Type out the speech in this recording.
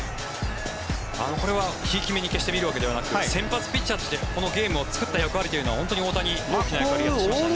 これは決してひいきめに見るわけではなく先発ピッチャーとしてこのゲームを作った役割というのは大谷大きな役割を果たしましたよね。